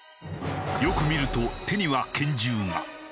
よく見ると手には拳銃が。